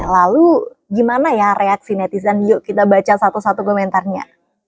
lalu gimana ya reaksi netizen yuk kita baca satu satu komentarnya